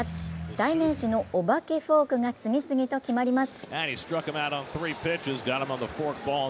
代名詞のお化けフォークが次々と決まります。